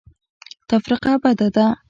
تفرقه بده ده.